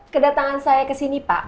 kedatangan saya kesini pak